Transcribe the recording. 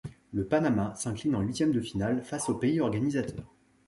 Le Panama s'incline en huitièmes de finale face au pays organisateur.